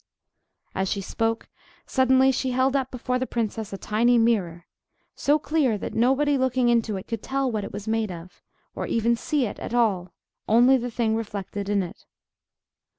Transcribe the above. As she spoke, suddenly she held up before the princess a tiny mirror, so clear that nobody looking into it could tell what it was made of, or even see it at all—only the thing reflected in it.